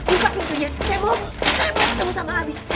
buka pintunya saya mau ketemu sama habib